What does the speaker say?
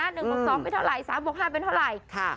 ๑บัง๒เป็นเท่าไหร่๓บัง๕เป็นเท่าไหร่